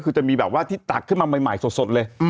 คือจะมีแบบว่าที่ตักขึ้นมาใหม่สดเลย